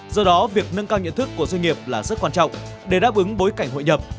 do đó việc nâng cao nhận thức của doanh nghiệp là rất quan trọng để đáp ứng bối cảnh hội nhập